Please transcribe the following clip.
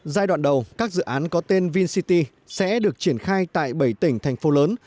giai đoạn đầu các dự án có tên vincity sẽ được triển khai tại bảy tỉnh thành phố lớn